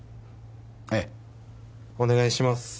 ええお願いします